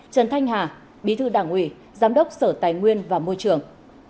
trần thanh hà bí thư đảng ủy giám đốc sở tài nguyên và môi trường